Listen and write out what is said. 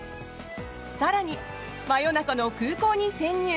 更に真夜中の空港に潜入！